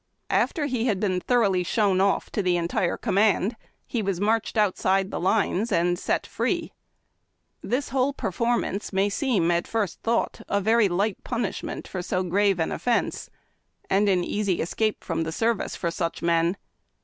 After he had been thoroughly shown off to the entire com mand, he was marched outside the lines and set free. This wliole per formance may seem at first thought a very light punishment for so grave an offence, and an easy escape from the service for such men.